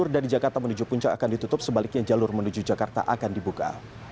jalur dari jakarta menuju puncak akan ditutup sebaliknya jalur menuju jakarta akan dibuka